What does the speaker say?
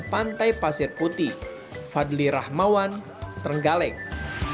pantai pasir putih fadli rahmawan trenggalek